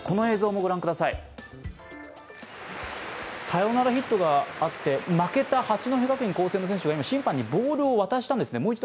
サヨナラヒットがあって、負けた八戸学院光星の選手が今、審判にボールを渡したんですね